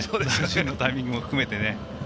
代打のタイミングも含めて。